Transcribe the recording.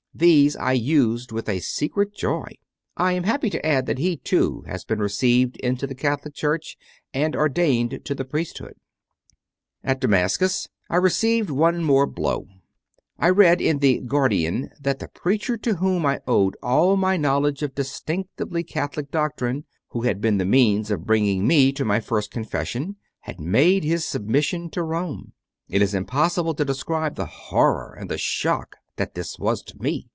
These I used with a secret joy. I am happy to add that he, too, has been received into the Catholic Church and ordained to the priesthood. 4. At Damascus I received one more blow. I ^S read in the " Guardian" that the preacher to whom I owed all my knowledge of distinctively Catholic doctrine, who had been the means of bringing me to my first confession, had made his submission to Rome. It is impossible to describe the horror and the shock that this was to me.